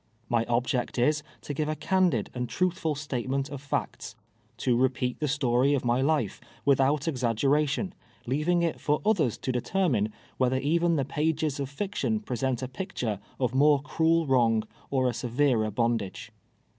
My object is, to give a candid and truthful statement of facts: to repeat the story uf my life, without exag'geration, leav ing it for others to determine, whether even the ])ages of liction pi'cseut a picture uf more cruel ^vrong or a severer bondage.